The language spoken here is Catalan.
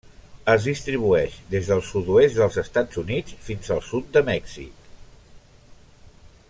Es distribueix des del sud-oest dels Estats Units fins al sud de Mèxic.